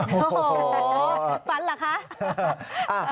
โอ้โหฝันเหรอคะ